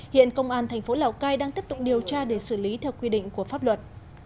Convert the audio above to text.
hiện công an thành phố lào cai đang tiếp tục điều tra để xử lý theo quy định của pháp luật